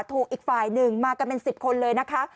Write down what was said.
อีกฝ่ายหนึ่งมากันเป็น๑๐คนเลยนะคะ